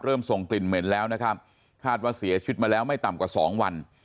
ส่งกลิ่นเหม็นแล้วนะครับคาดว่าเสียชีวิตมาแล้วไม่ต่ำกว่าสองวัน